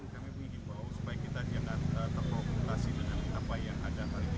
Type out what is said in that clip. kami ingin bahwa supaya kita tidak terprovokasi dengan apa yang ada hari ini